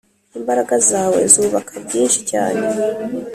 imbaraga zawe zubaka byinshi cyane